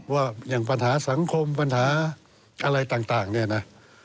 ว่าอย่างปัญหาสังคมปัญหาอะไรต่างเนี่ยนะ